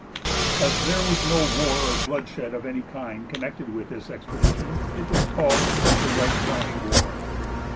As there was no war or bloodshed of any kind connected with this expedition, it was called the "Wright County War."